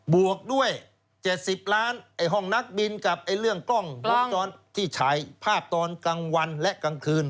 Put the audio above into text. วกด้วย๗๐ล้านไอ้ห้องนักบินกับเรื่องกล้องวงจรปิดที่ฉายภาพตอนกลางวันและกลางคืน